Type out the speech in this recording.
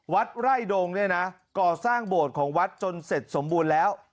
วัดไร่ดงก่อสร้างโบดของวัดจนเสร็จสมบูรณ์แล้ว